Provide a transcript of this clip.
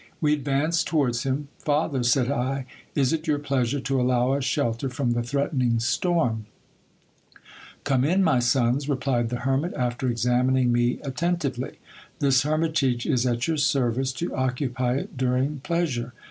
We ad vanced towards him. Father, said I, is it your pleasure to allow us shelter from the threatening storm ? Come in, my sons, replied the hermit, after examining me attentively ; this hermitage is at your service, to occupy it during pleasure.